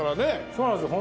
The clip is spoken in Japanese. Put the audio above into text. そうなんですよ